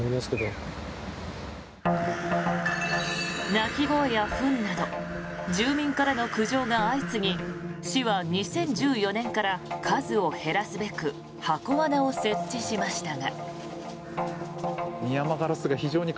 鳴き声やフンなど住民からの苦情が相次ぎ市は２０１４年から数を減らすべく箱罠を設置しましたが。